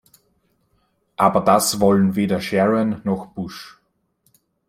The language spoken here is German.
Aber das wollen weder Sharon noch Bush.